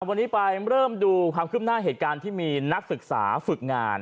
วันนี้ไปเริ่มดูความคืบหน้าเหตุการณ์ที่มีนักศึกษาฝึกงาน